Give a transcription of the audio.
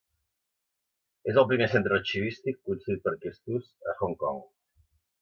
És el primer centre arxivístic construït per a aquest ús a Hong Kong.